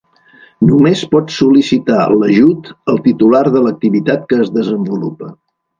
Només pot sol·licitar l'ajut el titular de l'activitat que es desenvolupa.